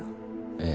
ええ。